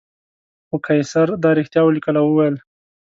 خو قیصر دا رښتیا ولیکل او وویل.